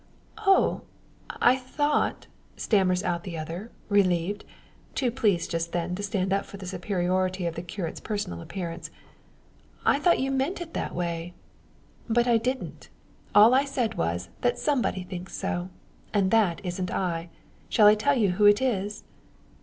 "Oh I thought," stammers out the other, relieved too pleased just then to stand up for the superiority of the curate's personal appearance "I thought you meant it that way." "But I didn't. All I said was, that somebody thinks so; and that isn't I. Shall I tell you who it is?"